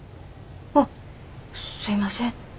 あっすいません。